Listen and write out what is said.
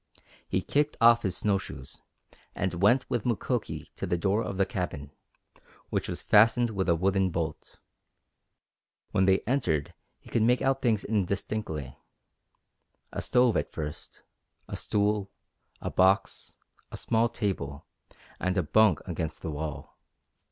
He kicked off his snow shoes, and went with Mukoki to the door of the cabin, which was fastened with a wooden bolt. When they entered he could make out things indistinctly a stove at first, a stool, a box, a small table, and a bunk against the wall.